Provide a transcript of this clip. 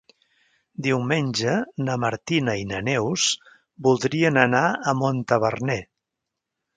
Diumenge na Martina i na Neus voldrien anar a Montaverner.